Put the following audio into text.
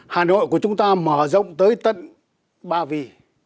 hà nội của chúng ta mở rộng tới tận ba vì